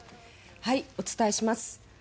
お伝えします。